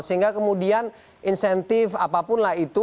sehingga kemudian insentif apapun lah itu